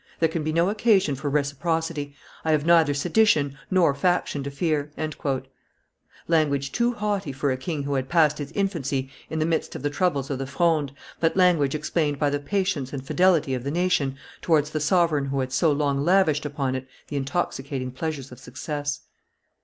There can be no occasion for reciprocity; I have neither sedition nor faction to fear." Language too haughty for a king who had passed his infancy in the midst of the troubles of the Fronde, but language explained by the patience and fidelity of the nation towards the sovereign who had so long lavished upon it the intoxicating pleasures of success.